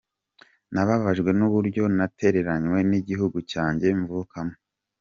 Nababajwe n’uburyo natererenywe n’igihugu cyanjye mvukamo.